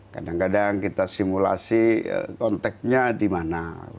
kadang kadang kita simulasi konteknya di mana